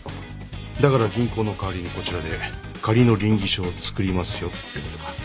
だから銀行の代わりにこちらで仮の稟議書を作りますよってことか。